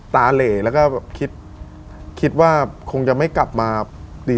ตาเหล่แล้วก็คิดว่าคงจะไม่กลับมาดี